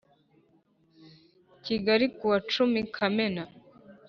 Kigali ku wacumi Kamena